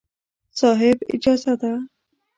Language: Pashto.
صاحب! اجازه ده.